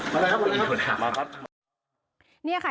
มาเลยครับ